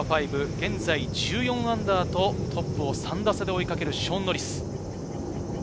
現在、−１４とトップを３打差で追いかけるショーン・ノリス。